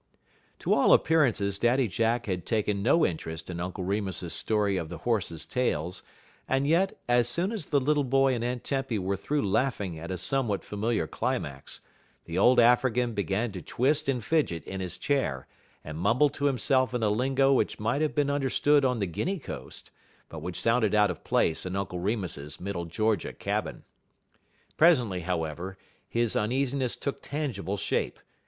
To all appearances Daddy Jack had taken no interest in Uncle Remus's story of the horses' tails, and yet, as soon as the little boy and Aunt Tempy were through laughing at a somewhat familiar climax, the old African began to twist and fidget in his chair, and mumble to himself in a lingo which might have been understood on the Guinea coast, but which sounded out of place in Uncle Remus's Middle Georgia cabin. Presently, however, his uneasiness took tangible shape.